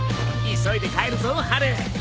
急いで帰るぞハル！